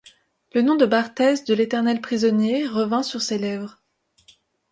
Le nom de Barthès, de l'éternel prisonnier, revint sur ses lèvres.